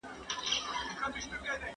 کتاب به لیکل سوی وي.